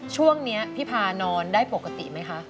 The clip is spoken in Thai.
ช่วงนี้พี่พานอนได้ปกติไหมคะ